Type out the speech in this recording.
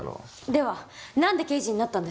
では何で刑事になったんですか？